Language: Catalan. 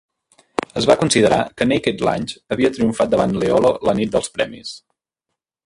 Es va considerar que Naked Lunch havia triomfat davant Leolo la nit dels premis.